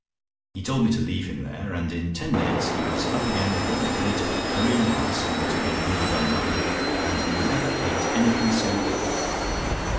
He told me to leave him there, and in ten minutes he was up again with a little plate of curry and rice and what had been underdone mutton, and you never ate anything so good.